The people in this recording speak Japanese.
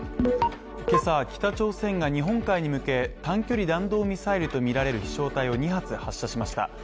今朝、北朝鮮が日本海に向け短距離弾道ミサイルとみられる飛翔体を２発発射しました。